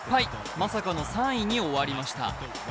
まさかの３位に終わりました。